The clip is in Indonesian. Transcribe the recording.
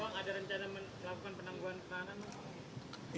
abang ada rencana melakukan penangguhan peranan